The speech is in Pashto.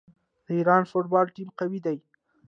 د ایران فوټبال ټیم قوي دی.